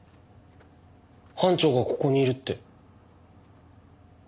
班長がここにいるって。